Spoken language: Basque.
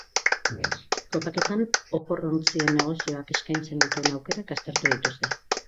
Topaketan opor-ontzien negozioak eskaintzen dituen aukerak aztertu dituzte.